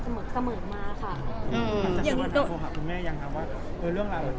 ต้องคุยกับคุณแม่ที่ได้ยังว่าเรื่องราวเป็นไง